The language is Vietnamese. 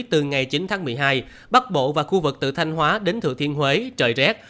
từ ngày chín tháng một mươi hai bắc bộ và khu vực từ thanh hóa đến thừa thiên huế trời rét